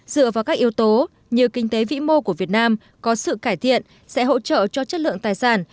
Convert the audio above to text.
dựa vào các yếu tố như kinh tế vĩ mô của việt nam có sự cải thiện sẽ hỗ trợ cho chất lượng tài sản